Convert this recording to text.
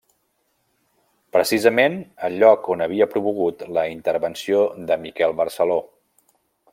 Precisament el lloc on havia promogut la intervenció de Miquel Barceló.